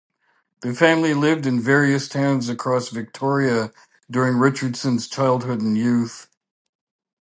The family lived in various towns across Victoria during Richardson's childhood and youth.